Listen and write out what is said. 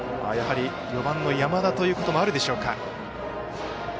やはり４番の山田ということもあるでしょうか。